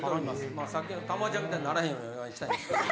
まあさっきの珠緒ちゃんみたいになれへんようにお願いしたいんですけど。